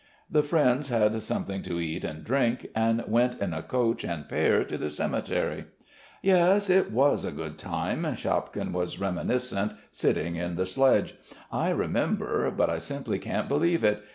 The friends had something to eat and drink, and went in a coach and pair to the cemetery. "Yes, it was a good time," Shapkin was reminiscent, sitting in the sledge. "I remember, but I simply can't believe it.